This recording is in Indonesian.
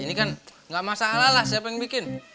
ini kan nggak masalah lah siapa yang bikin